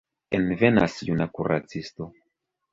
Envenas juna kuracisto.